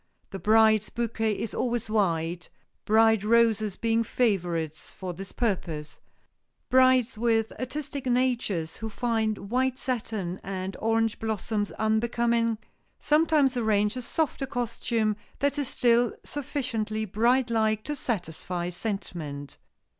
The bride's bouquet is always white, bride roses being favorites for this purpose. Brides with artistic natures who find white satin and orange blossoms unbecoming, sometimes arrange a softer costume that is still sufficiently bride like to satisfy sentiment.